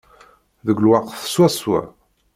Deg lweqt swaswa!